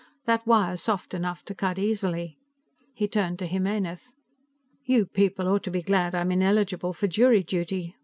"That wire's soft enough to cut easily." He turned to Jimenez. "You people ought to be glad I'm ineligible for jury duty.